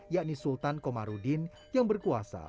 yakni sultan komarudin yang berkuasa